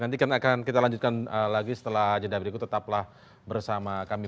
nanti akan kita lanjutkan lagi setelah jeda berikut tetaplah bersama kami